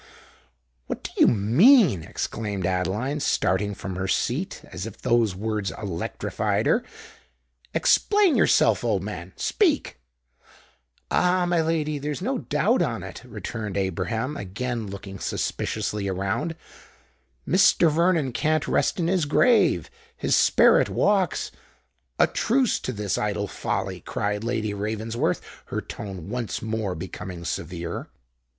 "What do you mean?" exclaimed Adeline, starting from her seat, as if those words had electrified her. "Explain yourself, old man—speak!" "Ah! my lady—there's no doubt on it!" returned Abraham, again looking suspiciously around. "Mr. Vernon can't rest in his grave—his sperret walks——" "A truce to this idle folly!" cried Lady Ravensworth, her tone once more becoming severe.